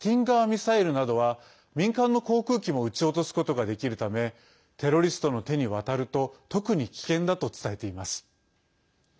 ミサイルなどは民間の航空機も打ち落とすことができるためテロリストの手に渡ると特に危険だと伝えています。